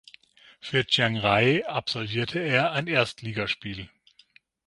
Für Chiangrai absolvierte er ein Erstligaspiel.